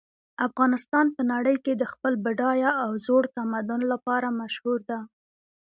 افغانستان په نړۍ کې د خپل بډایه او زوړ تمدن لپاره مشهور ده